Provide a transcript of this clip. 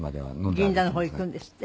銀座の方行くんですって？